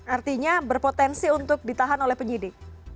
artinya berpotensi untuk ditahan oleh penyidik